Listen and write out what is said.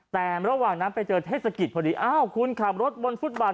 แต่ระหว่างนั้นไปเจอเทศกิจพอดีอ้าวคุณขับรถบนฟุตบาท